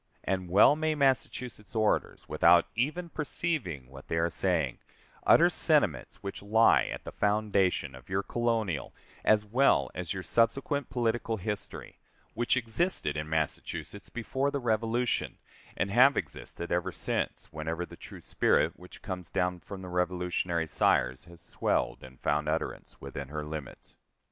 And well may Massachusetts orators, without even perceiving what they are saying, utter sentiments which lie at the foundation of your colonial as well as your subsequent political history, which existed in Massachusetts before the Revolution, and have existed ever since, whenever the true spirit which comes down from the Revolutionary sires has swelled and found utterance within her limits.